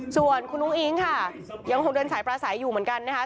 ส่วนคุณอุ้งอิ๊งค่ะยังคงเดินสายปราศัยอยู่เหมือนกันนะคะ